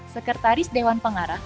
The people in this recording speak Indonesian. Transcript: sekretaris dewan pengarah